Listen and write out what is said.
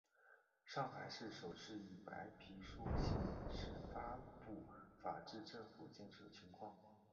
上海市首次以白皮书形式发布法治政府建设情况。